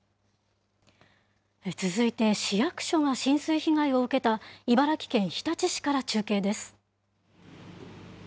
続いて市役所が浸水被害を受けた、茨城県日立市から中継です。